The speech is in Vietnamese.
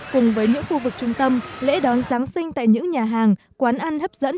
cùng với những khu vực trung tâm lễ đón giáng sinh tại những nhà hàng quán ăn hấp dẫn